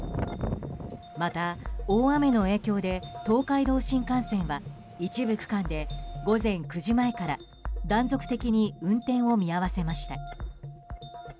また大雨の影響で東海道新幹線は一部区間で午前９時前から断続的に運転を見合わせました。